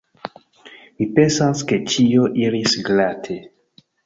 Mi pensas, ke ĉio iris glate.